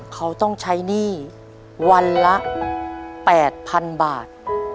เขาต้องใช้หนี้วันละ๘๐๐๐บาท